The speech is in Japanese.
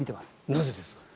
なぜですか？